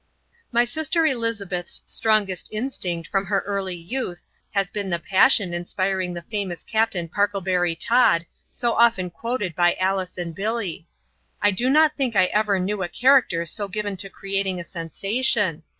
My sister Elizabeth's strongest instinct from her early youth has been the passion inspiring the famous Captain Parklebury Todd, so often quoted by Alice and Billy: "I do not think I ever knew a character so given to creating a sensation.